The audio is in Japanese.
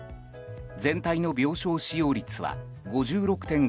全体の病床使用率は５６．５％。